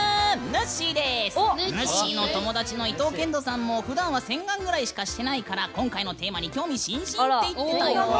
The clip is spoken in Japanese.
ぬっしーの友達の伊東健人さんもふだんは洗顔ぐらいしかしてないからきょうのテーマに興味津々って言ってたよ。